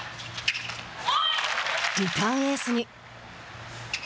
リターンエースに。